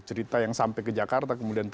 cerita yang sampai ke jakarta kemudian